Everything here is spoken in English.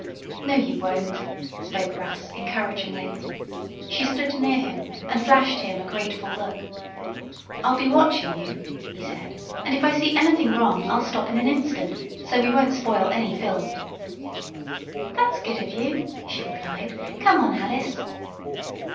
"No you won't," spoke Russ, encouragingly. She stood near him, and flashed him a grateful look. "I'll be watching you," he said, "and if I see anything wrong I'll stop in an instant, so we won't spoil any film." "That's good of you," she replied. "Come on, Alice."